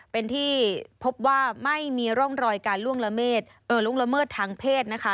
เป็นที่พบว่าไม่มีร่องรอยการล่วงละเมิดทางเพศนะคะ